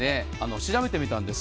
調べてみたんです。